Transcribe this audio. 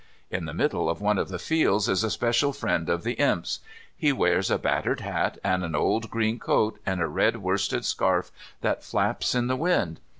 In the middle of one of the fields is a special friend of the Imp's. He wears a battered hat and an old green coat, and a red worsted scarf that flaps in the wind.